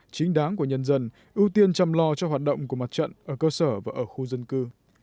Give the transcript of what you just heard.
chính đáng của nhân dân ưu tiên chăm lo cho hoạt động của mặt trận ở cơ sở và ở khu dân cư